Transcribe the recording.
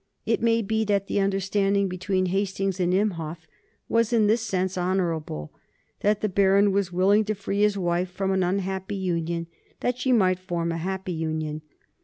It may be that the understanding between Hastings and Imhoff was in this sense honorable that the Baron was willing to free his wife from an unhappy union that she might form a happy union.